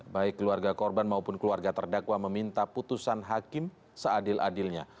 baik keluarga korban maupun keluarga terdakwa meminta putusan hakim seadil adilnya